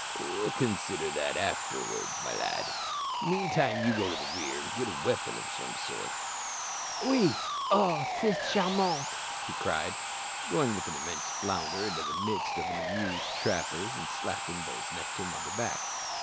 "We'll consider that afterwards, my lad. Meantime go you to the rear and get a weapon of some sort." "Oui. Ah! c'est charmant," he cried, going with an immense flounder into the midst of the amused trappers, and slapping those next to him on the back.